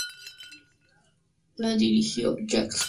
La dirigió Jack Gold.